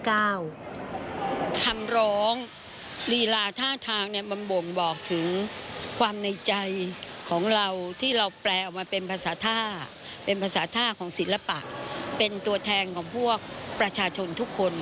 คำร้องลีราธาทางบำบงบอกถือความในใจของเราที่เราแปลออกมาเป็นภาษาภาคศิลปะเป็นตัวแทนของประชาชนทุกคน